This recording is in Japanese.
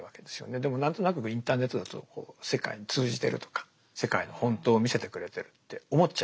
でも何となくインターネットだと世界に通じてるとか世界の本当を見せてくれてるって思っちゃいますよね。